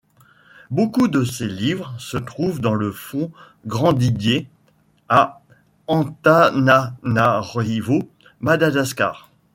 Beaucoup de ses livres se trouvent dans le Fonds Grandidier à Antananarivo, Madagascar.